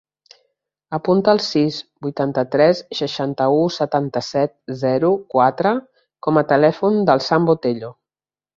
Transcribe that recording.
Apunta el sis, vuitanta-tres, seixanta-u, setanta-set, zero, quatre com a telèfon del Sam Botello.